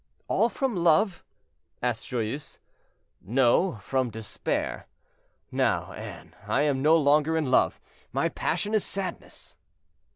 "All from love?" asked Joyeuse. "No, from despair. Now, Anne, I am no longer in love; my passion is sadness."